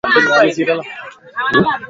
Chamcha ki tayari.